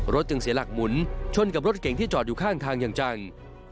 จึงเสียหลักหมุนชนกับรถเก่งที่จอดอยู่ข้างทางอย่างจัง